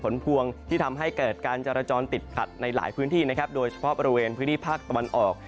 เป็นผลพวงที่ทำให้เกิดการจะระจ้อนติดคัดในหลายพื้นที่โดยเฉพาะบริเวณพื้นที่ภาคตะวันออก